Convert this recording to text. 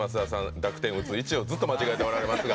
濁点打つ位置をずっと間違えてますが。